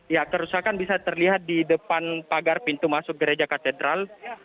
ya kerusakan bisa terlihat di depan pagar pintu masuk gereja katedral